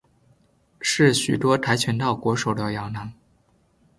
是许多跆拳道国手的摇篮。